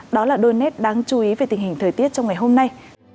đó là đôi nét đáng chú ý về tình hình thời tiết trong ngày hôm nay